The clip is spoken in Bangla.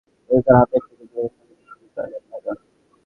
যদিও তাঁর হাতে একটি গুলি লেগেছিল, কিন্তু তিনি প্রাণে বেঁচে যান।